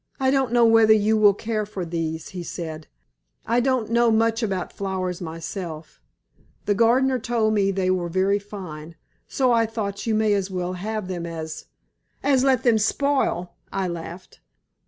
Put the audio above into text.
"I don't know whether you will care for these," he said; "I don't know much about flowers myself. The gardener told me they were very fine, so I thought you may as well have them as " "As let them spoil," I laughed.